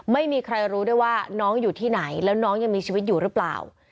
ไม่มีใครรู้ได้ว่าน้องอยู่ที่ไหนแล้วน้องยังมีชีวิตอยู่หรือเปล่า